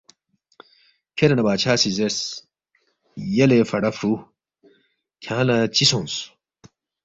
کھیرے نہ بادشاہ سی زیرس، یلے فڑا فرُو کھیانگ لہ چِہ سونگس؟